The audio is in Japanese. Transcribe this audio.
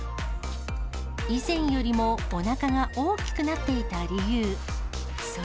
以前よりもおなかが大きくなっていた理由。